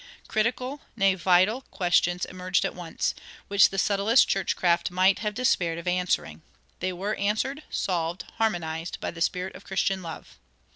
Critical, nay, vital questions emerged at once, which the subtlest churchcraft might have despaired of answering. They were answered, solved, harmonized, by the spirit of Christian love.